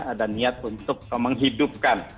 ada niat untuk menghidupkan